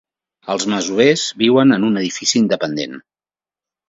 Els masovers viuen en un edifici independent.